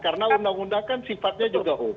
karena undang undang kan sifatnya juga umum